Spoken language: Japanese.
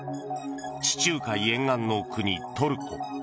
地中海沿岸の国トルコ。